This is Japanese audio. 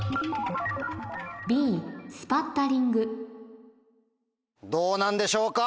スパッタリングどうなんでしょうか？